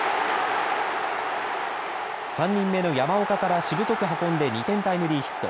３人目の山岡からしぶとく運んで２点タイムリーヒット。